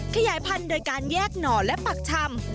ขยายพันธุ์โดยการแยกหน่อและปักชำ